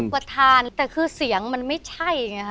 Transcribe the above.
อุปทานแต่คือเสียงมันไม่ใช่